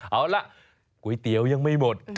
เอาล่ะก๋วยเตี๋ยวยังไม่หมด